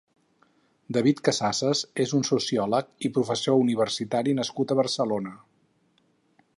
David Casassas és un sociòleg i professor universitari nascut a Barcelona.